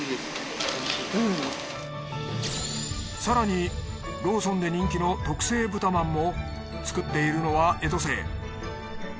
更にローソンで人気の特製豚まんも作っているのは江戸清